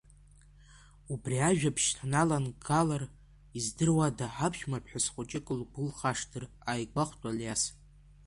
Убри ажәабжь ҳналанагалар, издыруада аԥшәмаԥҳәыс хәыҷык лгәылхашҭыр, ааигәахәт Алиас.